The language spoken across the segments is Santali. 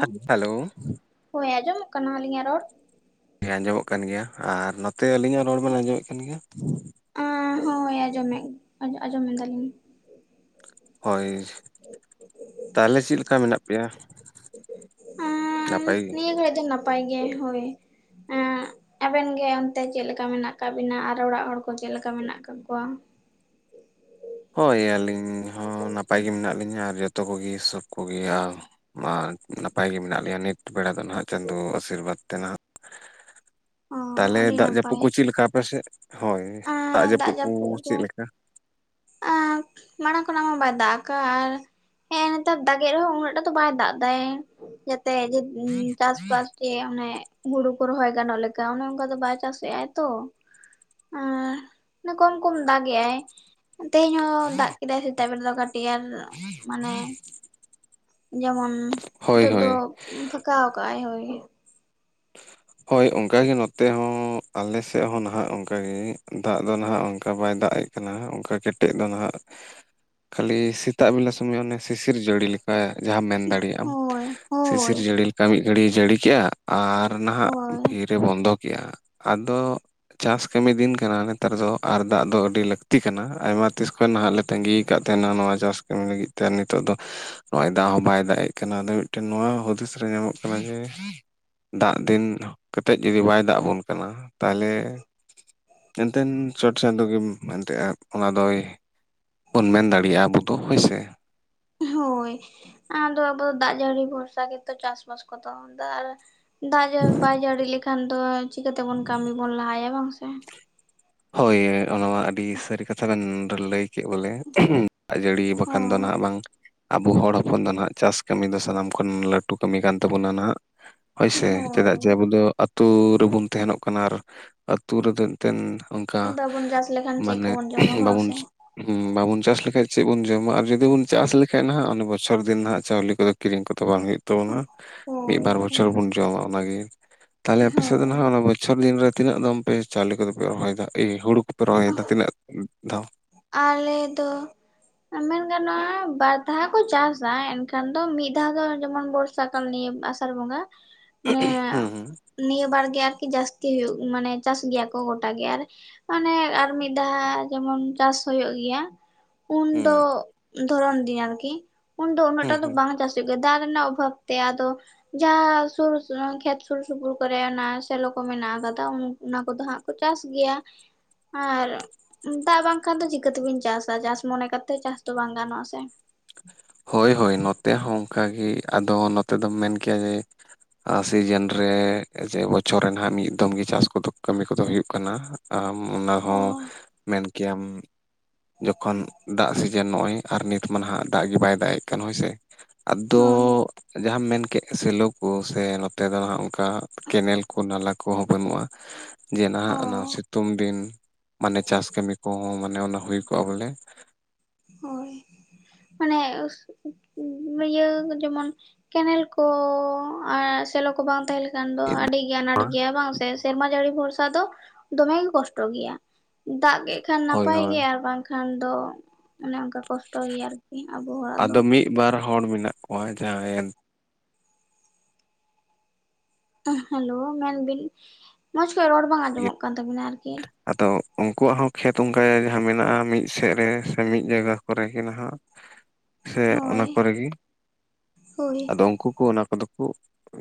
ᱦᱮᱜ ᱦᱮᱞᱳ ᱦᱳᱭ ᱟᱸᱡᱚᱢᱚᱜ ᱠᱟᱱᱟ ᱟᱹᱤᱧᱟᱜ ᱨᱚᱲ ᱦᱮᱸ ᱟᱸᱡᱚᱢᱚᱜ ᱠᱟᱱ ᱜᱮᱭᱟ ᱟᱨ ᱱᱚᱛᱮ ᱟᱹᱞᱤᱧᱟᱜ ᱨᱚᱲ ᱵᱮᱱ ᱟᱸᱡᱚᱢᱮᱫ ᱠᱟᱱ ᱜᱮᱭᱟ ᱟᱸ ᱦᱳᱭ ᱟᱸᱡᱚᱢ ᱢᱮᱜ ᱟᱸᱡᱚᱢᱮᱫᱟᱞᱤᱧ ᱦᱳᱭ ᱛᱟᱦᱚᱞᱮ ᱪᱮᱫ ᱞᱮᱠᱟ ᱢᱮᱱᱟᱜ ᱯᱮᱭᱟ? ᱟᱸ ᱱᱟᱯᱟᱭ ᱜᱮ ᱱᱤᱭᱟᱹ ᱜᱷᱟᱹᱲᱤᱡ ᱫᱚ ᱱᱟᱯᱟᱭ ᱜᱮ ᱦᱳᱭ ᱮᱸ [inaudible] ᱟᱵᱮᱱ ᱜᱮ ᱚᱱᱛᱮ ᱪᱮᱫ ᱞᱮᱠᱟ ᱢᱮᱱᱟᱜ ᱠᱟᱜ ᱵᱤᱱᱟ ᱟᱨ ᱚᱲᱟᱜ ᱦᱚᱲ ᱠᱚ ᱪᱮᱫ ᱞᱮᱠᱟ ᱢᱮᱱᱟᱜ ᱠᱟᱜ ᱠᱚᱣᱟ? ᱦᱳᱭ ᱟᱹᱞᱤᱧ ᱦᱚᱸ ᱱᱟᱯᱟᱭ ᱜᱮ ᱢᱤᱱᱟᱜ ᱞᱤᱧᱟ ᱟᱨ ᱡᱚᱛᱚ ᱠᱚᱜᱤ ᱥᱚᱵ ᱠᱩᱜᱤ ᱟᱨ ᱢᱟ ᱱᱟᱯᱟᱭ ᱜᱤ ᱢᱮᱱᱟᱜ ᱞᱮᱭᱟ ᱱᱤᱛ ᱵᱮᱲᱟ ᱫᱚ ᱱᱦᱟᱸᱜ ᱪᱟᱸᱫᱩ ᱟᱥᱤᱨᱵᱟᱫᱽ ᱛᱮ ᱱᱦᱟᱸᱜ᱾ ᱚ ᱛᱟᱞᱦᱮ ᱟᱹᱰᱤ ᱫᱟᱜ ᱡᱟᱹᱯᱩᱜ ᱱᱟᱯᱟᱭ ᱠᱩ ᱪᱤᱜᱞᱠᱟ ᱟᱯᱮ ᱥᱮᱜ ᱦᱳᱭ ᱫᱟᱜ ᱟᱸ ᱡᱟᱹᱯᱩᱜ ᱠᱩ ᱡᱟᱹᱯᱩᱫ ᱠᱚ ᱪᱮᱜᱞᱤᱠᱟ? ᱟᱸ [inaudible] ᱢᱟᱲᱟᱝ ᱠᱷᱚᱱᱟᱜ ᱢᱟ ᱵᱟᱭ ᱫᱟᱜ ᱟᱠᱟᱜ ᱟᱨ ᱦᱮᱸ ᱦᱮᱛᱟᱨ ᱫᱟᱜᱮ ᱨᱮᱦᱚᱸ ᱩᱱᱟᱹᱜ ᱴᱟ ᱫᱚ ᱵᱟᱭ ᱫᱟᱜ ᱫᱟᱭ ᱛᱮ ᱜᱤ ᱪᱟᱥᱵᱟᱥ ᱜᱮ ᱚᱱᱮ ᱦᱩᱲᱩ ᱠᱚ ᱨᱚᱦᱚᱭ ᱜᱟᱱᱚᱜ ᱞᱮᱠᱟ ᱚᱱᱮ ᱚᱱᱠᱟ ᱫᱚ ᱵᱟᱭ ᱪᱟᱥᱮᱜ ᱟᱭ ᱛᱚ, ᱟᱸ ᱱᱮ ᱠᱚᱢ ᱠᱚᱢ ᱫᱟᱜᱮ ᱟᱭ᱾ ᱛᱮᱦᱮᱧ ᱦᱚᱸ ᱫᱟᱜ ᱠᱮᱫᱟᱭ ᱥᱮᱛᱟᱜ ᱵᱮᱨ ᱫᱚ ᱠᱟᱹᱴᱤᱜ ᱟᱨ ᱢᱟᱱᱮ ᱡᱮᱢᱚᱱ ᱦᱳᱭ ᱛᱳᱜ ᱦᱳᱭ ᱫᱚ ᱯᱷᱟᱠᱟᱣ ᱠᱟᱜ ᱟᱭ ᱦᱳᱭ᱾ ᱦᱳᱭ ᱚᱝᱠᱟ ᱜᱮ ᱱᱚᱛᱮ ᱦᱚᱸ ᱟᱞᱮ ᱥᱮᱜ ᱦᱚᱸ ᱱᱟᱦᱟᱜ ᱚᱝᱠᱟᱜ ᱜᱤ ᱫᱟᱜ ᱫᱚ ᱱᱟᱦᱟᱜ ᱚᱱᱠᱟ ᱵᱟᱭ ᱫᱟᱜ ᱮᱜ ᱠᱟᱱᱟ ᱚᱱᱠᱟ ᱠᱮᱴᱮᱡ ᱫᱚ ᱱᱦᱟᱜ ᱠᱷᱟᱹᱞᱤ ᱥᱤᱛᱟᱜ ᱵᱮᱞᱟ ᱥᱚᱢᱚᱭ ᱚᱱᱮ ᱥᱤᱥᱤᱨ ᱡᱟᱹᱲᱤ ᱞᱮ ᱦᱮᱸ ᱡᱟᱦᱟᱸᱢ ᱢᱮᱱ ᱫᱟᱲᱮᱭᱟᱜ ᱟᱢ ᱦᱳᱭ ᱥᱤᱥᱤᱨ ᱦᱳᱭ ᱡᱟᱹᱲᱤ ᱞᱤᱠᱟ ᱢᱤᱫ ᱜᱷᱟᱹᱲᱤᱭ ᱡᱟᱹᱲᱤ ᱠᱮᱜ-ᱟ ᱟᱨ ᱱᱟᱦ ᱦᱳᱭ ᱨᱮ ᱵᱚᱱᱫᱚ ᱠᱮᱜ-ᱟ ᱟᱫᱚ ᱪᱟᱥ ᱠᱟᱹᱢᱤ ᱫᱤᱱ ᱠᱟᱱᱟ ᱱᱮᱛᱟᱨ ᱫᱚ ᱟᱨ ᱫᱟᱜ ᱫᱚ ᱟᱹᱰᱤ ᱞᱟᱹᱠᱛᱤ ᱠᱟᱱᱟ ᱟᱭᱢᱟ ᱛᱤᱥ ᱠᱷᱚᱱ ᱱᱟᱦᱟᱜ ᱞᱮ ᱛᱟᱺᱜᱤᱭ ᱠᱟᱜ ᱛᱟᱦᱮᱱᱟ ᱱᱚᱣᱟ ᱪᱟᱥ ᱠᱟᱹᱢᱤ ᱞᱟᱹᱜᱤᱫ ᱛᱮ ᱟᱨ ᱱᱤᱛᱳᱜ ᱫᱚ ᱱᱚᱜ-ᱚᱭ ᱫᱟᱜ ᱦᱚᱸ ᱵᱟᱭ ᱫᱟᱜ ᱮᱜ ᱠᱟᱱᱟ ᱟᱫᱚ ᱢᱤᱫᱴᱮᱱ ᱱᱚᱣᱟ ᱦᱩᱫᱤᱥ ᱨᱮ ᱧᱟᱢᱚᱜ ᱠᱟᱱᱟ ᱡᱮ ᱫᱟᱜ ᱫᱤᱱ ᱠᱟᱛᱮᱜ ᱡᱩᱫᱤ ᱵᱟᱭ ᱫᱟᱜ ᱟᱵᱚᱱ ᱠᱟᱱᱟ ᱛᱟᱦᱞᱮ ᱢᱮᱱᱛᱮᱱ ᱪᱚᱴᱪᱟᱸᱫᱳ ᱜᱮᱢ ᱢᱮᱱᱛᱮᱜ-ᱟ ᱚᱱᱟ ᱫᱚᱭ ᱵᱚᱱ ᱢᱮᱱ ᱫᱟᱲᱮᱭᱟᱜ-ᱟ ᱟᱵᱩ ᱫᱚ ᱦᱳᱭ ᱥᱮ, ᱦᱳᱭ ᱟᱫᱚ ᱟᱵᱚ ᱫᱚ ᱫᱟᱜ ᱡᱟᱹᱲᱤ ᱵᱷᱚᱨᱥᱟ ᱜᱮᱛᱚ ᱪᱟᱥᱵᱟᱥ ᱠᱚ ᱫᱚ ᱫᱟ ᱟᱨ ᱫᱟᱜ ᱡᱟᱹ ᱵᱟᱭ ᱡᱟᱹᱲᱤ ᱞᱮᱠᱷᱟᱱ ᱫᱚ ᱪᱤᱠᱟᱹᱛᱮᱵᱚᱱ ᱠᱟᱹᱢᱤ ᱵᱚᱱ ᱞᱟᱦᱟᱭᱟ ᱵᱟᱝ ᱥᱮ᱾ ᱦᱳᱭ ᱚᱱᱟ ᱢᱟ ᱟᱹᱰᱤ ᱥᱟᱹᱨᱤ ᱠᱟᱛᱷᱟ ᱵᱮᱱ ᱞᱟᱹᱭ ᱠᱮᱜ ᱵᱚᱞᱮ ᱫᱟᱜ ᱡᱟᱹᱲᱤ ᱵᱟᱠᱷᱟᱱ ᱫᱚ ᱦᱳᱭ ᱱᱦᱟᱜ ᱵᱟᱝ ᱟᱵᱩ ᱦᱚᱲ ᱦᱚᱯᱚᱱ ᱫᱚ ᱱᱦᱟᱜ ᱪᱟᱥ ᱠᱟᱹᱢᱤ ᱫᱚ ᱥᱟᱱᱟᱢ ᱠᱷᱚᱱ ᱞᱟᱹᱴᱩ ᱠᱟᱹᱢᱤ ᱠᱟᱱ ᱛᱟᱹᱵᱩᱱᱟ ᱱᱟᱦᱟᱜ᱾ ᱦᱳᱭᱥᱮ ᱦᱳᱭ ᱪᱮᱫᱟᱜ ᱡᱮ ᱟᱵᱚ ᱫᱚ ᱟᱹᱛᱩ ᱨᱮᱵᱩᱱ ᱛᱟᱦᱮᱱᱚᱜ ᱠᱟᱱᱟ ᱟᱨ ᱛᱩ ᱨᱮᱫᱚ ᱮᱱᱛᱮᱱ ᱚᱱᱠᱟ ᱵᱟᱵᱚᱱ ᱪᱟᱥ ᱞᱮᱠᱷᱟᱱ ᱪᱮᱫ ᱢᱟᱱᱮ ᱠᱚᱵᱚᱱ ᱡᱚᱢᱟ ᱵᱟᱝ ᱵᱟᱵᱩᱱ ᱥᱮ ᱦᱩᱸ ᱵᱟᱵᱩᱱ ᱪᱟᱥ ᱞᱮᱠᱷᱟᱡ ᱪᱮᱜ ᱵᱚᱱ ᱡᱚᱢᱟ ᱟᱨ ᱡᱩᱫᱤ ᱵᱩᱱ ᱪᱟᱥ ᱞᱮᱠᱟᱡ ᱱᱟᱦᱟᱜ ᱚᱱᱮ ᱵᱚᱪᱷᱚᱨ ᱫᱤᱱ ᱱᱟᱦᱟᱜ ᱪᱟᱣᱞᱮ ᱠᱚᱫᱚ ᱠᱤᱨᱤᱝ ᱠᱚᱛᱚ ᱵᱟᱝ ᱦᱩᱭᱩᱜ ᱛᱚᱱᱟ ᱢᱤᱜ ᱦᱳᱭ ᱵᱟᱨ ᱵᱚᱪᱷᱚᱨ ᱵᱚᱱ ᱡᱚᱢᱟ ᱚᱱᱟᱜᱤ ᱛᱟᱦᱞᱮ ᱟᱯᱮ ᱥᱮᱜ ᱫᱚ ᱦᱳᱭ ᱱᱟᱦᱟᱜ ᱵᱚᱪᱷᱚᱨ ᱫᱤᱱ ᱨᱮ ᱛᱤᱱᱟᱹᱜ ᱫᱚᱢ ᱯᱮ ᱪᱟᱣᱞᱮ ᱠᱚᱫᱚ ᱯᱮ ᱨᱚᱦᱚᱭᱫᱟ ᱮ ᱦᱩᱲᱩ ᱠᱩᱯᱮ ᱨᱚᱦᱚᱭᱫᱟ ᱛᱤᱱᱟᱹᱜ ᱫᱷᱟᱣ? ᱟᱞᱮ ᱫᱚ ᱢᱮᱱ ᱜᱟᱱᱚᱜ-ᱟ ᱵᱟᱨ ᱫᱷᱟᱣ ᱠᱚ ᱪᱟᱥᱟ ᱮᱱᱠᱷᱟᱱ ᱫᱚ ᱢᱤᱫ ᱫᱷᱟᱣ ᱫᱚ ᱡᱮᱢᱚᱱ ᱵᱚᱨᱥ ᱥᱟᱠᱟᱢ ᱱᱤᱭᱟᱢ. ᱟᱥᱟᱨ ᱵᱚᱸᱜᱟ, [inaudible] ᱱᱮ ᱦᱩᱸ ᱦᱩᱸ ᱱᱤᱭᱟᱹ ᱵᱟᱨ ᱜᱮ ᱟᱨᱠᱤ ᱡᱟᱹᱥᱛᱤ ᱦᱩᱭᱩᱜ ᱢᱟᱱᱮ ᱪᱟᱥ ᱜᱮᱭᱟ ᱠᱚ ᱜᱚᱴᱟ ᱜᱮ ᱟᱨ ᱚᱱᱮ ᱟᱨ ᱢᱤᱫ ᱫᱷᱟᱣ ᱡᱮᱢᱚᱱ ᱪᱟᱥ ᱦᱩᱭᱩᱜ ᱜᱮᱭᱟ ᱩᱱ ᱫᱚ ᱦᱩᱸ ᱫᱷᱚᱨᱚᱱ ᱫᱤᱱ ᱟᱨᱠᱤ, ᱩᱱᱫᱚ ᱩᱱᱟᱹᱜ ᱦᱩᱸ ᱴᱟ ᱫᱚ ᱦᱩᱸ ᱵᱟᱝ ᱪᱟᱥᱚᱜ ᱜᱮᱭᱟ ᱫᱟᱜ ᱨᱮᱱᱟᱜ ᱚᱵᱷᱟᱵ ᱛᱮ ᱟᱫᱚ ᱡᱟᱦᱟ ᱥᱩᱨ ᱠᱷᱮᱛ ᱥᱩᱨ ᱥᱩᱯᱩᱨ ᱠᱚᱨᱮ ᱚᱱᱟ ᱥᱮᱞᱚ ᱠᱚ ᱢᱮᱱᱟᱜ ᱠᱟᱫᱟ ᱚᱱᱟ ᱠᱚᱫᱚ ᱦᱟᱸᱜ ᱠᱚ ᱪᱟᱥ ᱜᱮᱭᱟ ᱟᱨ ᱫᱟᱜ ᱵᱟᱝ ᱠᱷᱟᱱ ᱫᱚ ᱪᱤᱠᱟᱹᱛᱮᱵᱤᱱ ᱪᱟᱥᱟ ᱪᱟᱥ ᱢᱚᱱᱮ ᱠᱟᱛᱮ ᱪᱟᱥ ᱫᱚ ᱵᱟᱝ ᱜᱟᱱᱚᱜᱼᱟ ᱥᱮ᱾ ᱦᱳᱭ ᱦᱳᱭ ᱱᱚᱛᱮ ᱦᱚᱸ ᱚᱱᱠᱟ ᱜᱤ ᱟᱫᱚ ᱱᱚᱛᱮ ᱫᱚᱢ ᱢᱮᱱ ᱠᱤᱭᱟ ᱡᱮ ᱟᱨ ᱥᱤᱡᱮᱱ ᱨᱮ ᱥᱮ ᱵᱚᱪᱷᱚᱨ ᱨᱮᱱᱟᱜᱷ ᱢᱤᱫ ᱫᱚᱢ ᱜᱤ ᱪᱟᱥ ᱠᱚᱫᱚ ᱠᱟᱹᱢᱤ ᱠᱚᱫᱚ ᱦᱩᱭᱩᱜ ᱠᱟᱱᱟ᱾ ᱟᱢ ᱚᱱᱟ ᱦᱚᱸ ᱚ ᱢᱮᱱ ᱜᱮᱭᱟᱢ ᱡᱚᱠᱷᱚᱱ ᱫᱟᱜ ᱥᱤᱡᱮᱱ ᱱᱚᱜᱚᱭ ᱟᱨ ᱱᱤᱛ ᱢᱟ ᱱᱟᱦᱟᱜ ᱫᱟᱜ ᱵᱟᱭ ᱫᱟᱜ ᱮᱜ ᱠᱟᱱ ᱦᱳᱭᱥᱮ ᱟᱫᱚᱻ ᱦᱳᱭ ᱡᱟᱸᱦᱟᱢ ᱢᱮᱱᱠᱮᱫ ᱥᱮᱞᱚ ᱠᱚ ᱥᱮ ᱱᱚᱛᱮ ᱫᱚ ᱦᱟᱜ ᱚᱱᱠᱟ ᱠᱮᱱᱮᱞ ᱠᱚ ᱱᱟᱞᱟ ᱠᱚᱸᱦᱚ ᱵᱟᱹᱱᱩᱜᱼᱟ᱾ [unintelligible] ᱡᱮ ᱱᱟᱦᱟᱜ ᱚᱱᱟ ᱚ ᱥᱤᱛᱩᱝ ᱫᱤᱱ, ᱢᱟᱱᱮ ᱪᱟᱥ ᱠᱟᱹᱢᱤ ᱠᱚᱦᱚᱸ ᱢᱟᱱᱮ ᱚᱱᱟ ᱦᱩᱭ ᱠᱚᱜᱼᱟ ᱵᱚᱞᱮ᱾ ᱦᱳᱭ ᱢᱟᱱᱮ ᱤᱭᱟᱹ ᱡᱮᱢᱚᱱ ᱠᱮᱱᱮᱞ ᱠᱚᱻ ᱟᱨ ᱥᱮᱞᱚ ᱠᱚ ᱵᱟᱝ ᱛᱟᱸᱦᱮ ᱞᱮ ᱠᱷᱟᱱ ᱫᱚ ᱟᱹᱰᱤ ᱜᱮ ᱟᱱᱟᱴ ᱜᱮᱭᱟ ᱵᱟᱝ ᱥᱮ, ᱥᱮᱨᱢᱟ ᱡᱟᱹᱲᱤ ᱵᱷᱚᱨᱥᱟ ᱫᱚ ᱫᱚᱢᱮ ᱜᱮ ᱠᱚᱥᱴᱚ ᱜᱮᱭᱟ᱾ ᱫᱟᱜ ᱠᱮᱜ ᱠᱷᱟᱱ ᱦᱳᱭ ᱱᱟᱯᱟᱭ ᱦᱳᱭ ᱜᱮ, ᱟᱨ ᱵᱟᱝᱠᱷᱟᱱ ᱫᱚ ᱚᱱᱮ ᱚᱱᱠᱟ᱾ ᱠᱚᱥᱴᱚ ᱜᱮᱭᱟ ᱟᱨᱠᱤ ᱟᱵᱚ ᱦᱚᱲᱟᱜ ᱫᱚ᱾ ᱢᱤᱜ ᱵᱟᱨ ᱦᱚᱲ ᱢᱮᱱᱟᱜ ᱠᱚᱣᱟ ᱡᱟᱦᱟᱸᱭ ᱮᱱ ᱦᱮᱞᱳ ᱢᱮᱱᱵᱤᱱ ᱢᱚᱸᱡᱽ ᱠᱷᱚᱡ ᱨᱚᱲ ᱵᱟᱝ ᱜᱮ ᱟᱸᱡᱚᱢᱚᱜ ᱠᱟᱱ ᱛᱟᱵᱤᱱᱟ ᱟᱨᱠᱤ᱾ ᱟᱫᱚ ᱩᱝᱠᱩᱣᱟᱜ ᱦᱚᱸ ᱠᱷᱮᱛ ᱚᱝᱠᱟ ᱜᱮ ᱡᱟᱦᱟᱸ ᱢᱮᱱᱟᱜᱼᱟ, ᱢᱤᱜ ᱥᱮᱜ ᱨᱮ ᱥᱮ ᱢᱤᱜ ᱡᱟᱭᱜᱟ ᱠᱚᱨᱮ ᱜᱮ ᱱᱟᱦᱟᱜ᱾ ᱥᱮ ᱚᱱᱟ ᱦᱳᱭ ᱠᱚᱨᱮ ᱜᱮ, ᱦᱳᱭ ᱟᱫᱚ ᱩᱝᱠᱩ ᱠᱚ ᱚᱱᱟ ᱠᱚᱫᱚ ᱠᱚ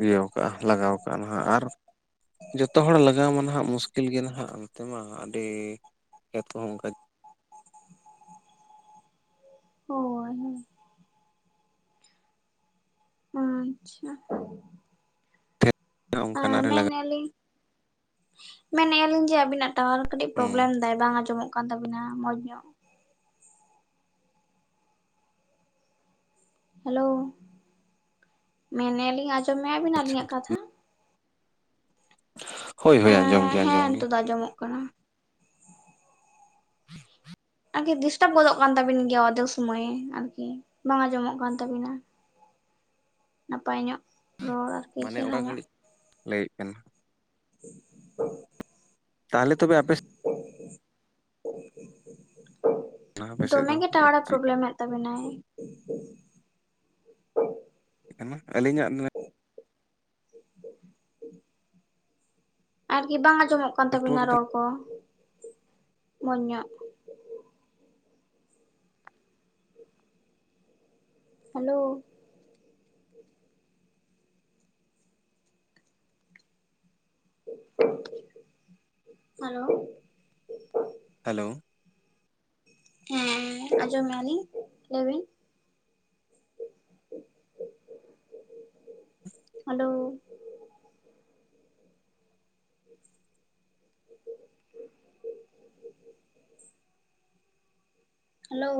ᱤᱭᱟᱹᱣ ᱠᱟᱜᱼᱟ ᱞᱟᱜᱟᱣ ᱠᱟᱜᱼᱟ ᱱᱟᱦᱟᱜ, ᱟᱨ ᱡᱚᱛᱚ ᱦᱚᱲ ᱞᱟᱜᱟᱣ ᱢᱟ ᱱᱟᱦᱟᱜ ᱢᱩᱥᱠᱤᱞ ᱜᱮ ᱱᱟᱦᱟᱜ, ᱚᱱᱛᱮ ᱢᱟ ᱟᱹᱰᱤ ᱠᱷᱮᱛ ᱠᱚᱦᱚᱸ ᱚᱝᱠᱟ ᱦᱳᱭ ᱦᱮᱸ ᱟᱪᱪᱷᱟ ᱟ ᱚᱱᱠᱟᱱᱟᱜ ᱨᱮ ᱞᱟᱜᱟᱜ ᱢᱮᱱᱮᱜ ᱟᱹᱞᱤᱧ, ᱢᱮᱱᱮᱜ ᱟᱹᱞᱤᱧ ᱡᱮ ᱟᱹᱵᱤᱱᱟᱜ ᱴᱟᱣᱟᱨ ᱠᱟᱹᱴᱤᱡ ᱦᱩᱸ ᱯᱨᱚᱵᱞᱮᱢ ᱫᱟᱭ ᱵᱟᱝ ᱟᱸᱡᱚᱢᱚᱜ ᱠᱟᱱ ᱛᱟᱵᱤᱱᱟ ᱢᱚᱸᱡᱽ ᱧᱚᱜ᱾ ᱦᱮᱞᱳ ᱢᱮᱱ ᱟᱹᱞᱤᱧ ᱟᱸᱡᱚᱢ ᱢᱮᱜᱼᱟ ᱵᱤᱱ ᱟᱪᱪᱷᱟ ᱟᱹᱞᱤᱧᱟᱜ ᱠᱟᱛᱷᱟ? ᱦᱳᱭ ᱦᱳᱭ ᱟᱸᱡᱚᱢ᱾ ᱮᱸ ᱜᱮ ᱦᱮᱸ ᱟᱸᱡᱚᱢ ᱜᱮ ᱱᱤᱛᱚᱜ ᱫᱚ ᱟᱸᱡᱚᱢᱚᱜ ᱠᱟᱱᱟ᱾ [unintelligible] ᱟᱨᱠᱤ ᱰᱤᱥᱴᱟᱵ ᱜᱚᱫᱚᱜ ᱠᱟᱱ ᱛᱟᱵᱤᱱ ᱜᱮᱭᱟ ᱚᱨᱫᱷᱮᱠ ᱥᱩᱢᱟᱹᱭ ᱟᱨᱠᱤ, ᱵᱟᱝ ᱟᱸᱡᱚᱢᱚᱜ ᱠᱟᱱ ᱛᱟᱵᱤᱱᱟ᱾ ᱱᱟᱯᱟᱭ ᱧᱚᱜ ᱨᱚᱲ ᱟᱨ ᱢᱟᱱᱮ ᱚᱠᱟ ᱜᱷᱟᱹᱲᱤᱡ ᱞᱟᱹᱭᱮᱜ ᱠᱟᱱᱟ? ᱛᱟᱦᱚᱞᱮ ᱛᱚᱵᱮ ᱟᱯᱮ [unintelligible] ᱟᱯᱮ ᱥᱮᱫ ᱫᱚᱢᱮ ᱫᱚ ᱜᱮ ᱴᱟᱣᱟᱨᱮ ᱪᱮᱫ ᱯᱨᱚᱵᱞᱮᱢ ᱮᱫ᱾ ᱛᱟᱵᱤᱱᱟᱭ᱾ [unintelligible] ᱟᱹᱞᱤᱧᱟᱜ ᱱᱮᱴ [inaudible] ᱟᱨᱠᱤ ᱵᱟᱝ ᱟᱸᱡᱚᱢᱚᱜ ᱠᱟᱱ ᱛᱟᱵᱤᱱᱟ ᱱᱮᱴᱣᱟᱨᱠ ᱫᱚ ᱨᱚᱲ ᱠᱚ ᱢᱚᱸᱡᱽ ᱧᱚᱜ᱾ ᱦᱮᱞᱳ ᱦᱮᱞᱳ ᱦᱮᱞᱳ ᱦᱮᱸ ᱟᱸᱡᱚᱢᱮᱜᱼᱟ ᱞᱤᱧ, ᱞᱟᱹᱭ ᱵᱤᱱ᱾ [unintelligible] Hello [unintelligible] hello